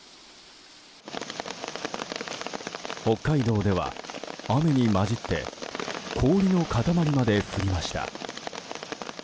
北海道では雨に交じって氷の塊まで降りました。